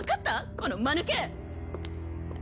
このまぬけ！